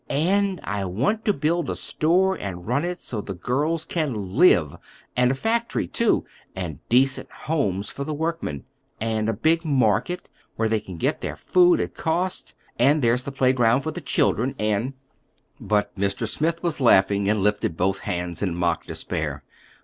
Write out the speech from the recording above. "And I want to build a store and run it so the girls can live, and a factory, too, and decent homes for the workmen, and a big market, where they can get their food at cost; and there's the playground for the children, and—" But Mr. Smith was laughing, and lifting both hands in mock despair.